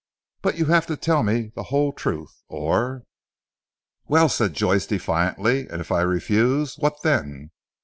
But you have to tell me the whole truth, or " "Well," said Joyce defiantly, "and if I refuse? What then."